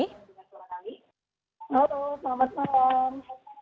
halo selamat malam